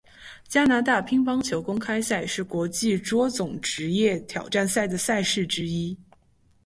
加拿大乒乓球公开赛是国际桌总职业挑战赛的赛事之一。